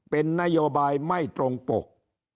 เป็นนโยบายไม่ตรงปก